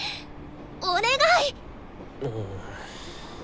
お願いっ！